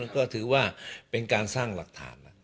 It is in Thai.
ก็ถือว่าเป็นการสร้างหลักฐาน